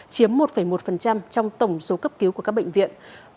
chiếm một một trong tổng số cấp cứu của các bệnh viện